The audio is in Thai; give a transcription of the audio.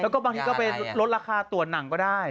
แล้วก็บางทีก็ไปลดราคาตัวหนังก็ได้